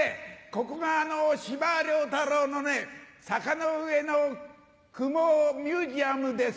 ここがあの司馬太郎の坂の上の雲ミュージアムですよ。